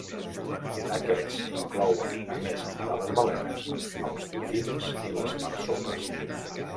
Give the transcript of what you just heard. Aquests inclouen a més de les balenes els dofins i les marsopes.